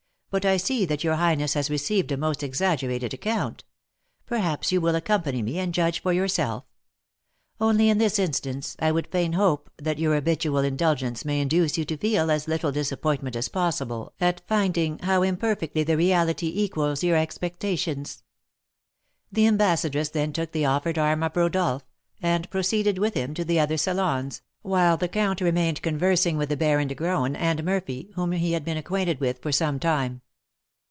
But I see that your highness had received a most exaggerated account. Perhaps you will accompany me, and judge for yourself. Only in this instance I would fain hope that your habitual indulgence may induce you to feel as little disappointment as possible at finding how imperfectly the reality equals your expectations." The ambassadress then took the offered arm of Rodolph, and proceeded with him to the other salons, while the count remained conversing with the Baron de Graün and Murphy, whom he had been acquainted with for some time.